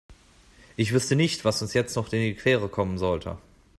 Ich wüsste nicht, was uns jetzt noch in die Quere kommen sollte.